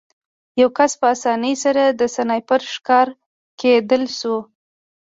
یو کس په اسانۍ سره د سنایپر ښکار کېدلی شو